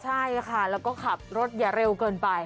ใช่ค่ะแล้วก็ขับรถอย่าเร็วเกินไป